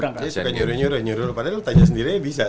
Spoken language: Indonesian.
saya suka nyuruh nyuruh nyuruh padahal lo tanya sendiri aja bisa